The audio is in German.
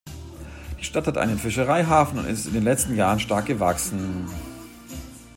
Die Stadt hat einen Fischereihafen und ist in den letzten Jahren stark gewachsen.